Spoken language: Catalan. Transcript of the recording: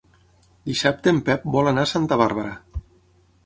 Dissabte en Pep vol anar a Santa Bàrbara.